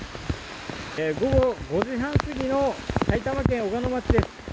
午後５時半過ぎの埼玉県小鹿野町です。